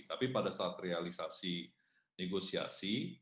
tapi pada saat realisasi negosiasi